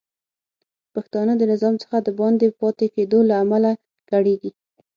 پښتانه د نظام څخه د باندې پاتې کیدو له امله کړیږي